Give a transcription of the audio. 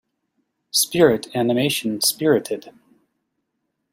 Spirit animation Spirited.